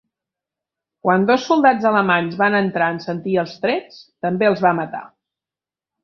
Quan dos soldats alemanys van entrar en sentir els trets, també els va matar.